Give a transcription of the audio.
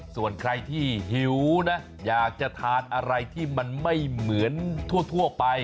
ส่วนใครที่หิวนะอยากจะทานอะไรที่มันไม่เหมือนทั่วไป